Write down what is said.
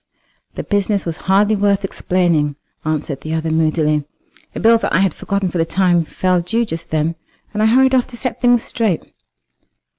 "The business was hardly worth explaining," answered the other moodily. "A bill that I had forgotten for the time fell due just then, and I hurried off to set things straight."